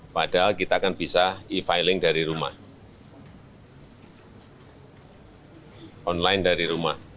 padahal kita akan bisa e filing dari rumah online dari rumah